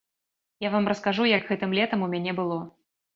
Я вам раскажу, як гэтым летам у мяне было.